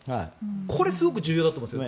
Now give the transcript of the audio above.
これすごく重要だと思うんです。